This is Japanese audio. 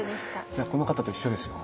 じゃあこの方と一緒ですよ。